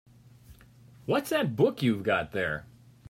What's that book you've got there?